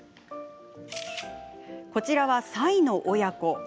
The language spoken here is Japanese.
こちらはサイの親子。